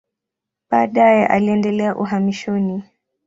Baadaye alienda uhamishoni.